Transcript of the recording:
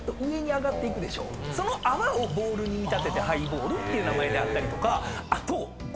その泡をボールに見立ててハイボールっていう名前であったりとかあと。